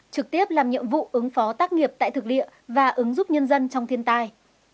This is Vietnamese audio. trực tiếp làm nhiệm vụ ứng phó tác nghiệp tại thực địa và ứng giúp nhân dân trong thiên tai